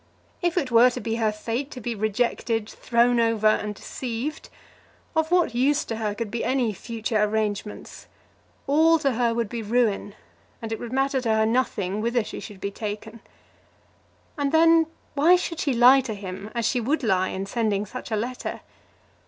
If it were to be her fate to be rejected, thrown over, and deceived, of what use to her could be any future arrangements? All to her would be ruin, and it would matter to her nothing whither she should be taken. And then, why should she lie to him as she would lie in sending such a letter?